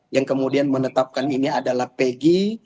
yang kemudian menetapkan ini adalah pg